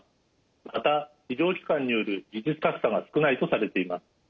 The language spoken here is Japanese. また医療機関による技術格差が少ないとされています。